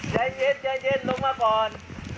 ใจเย็นลงมาก่อน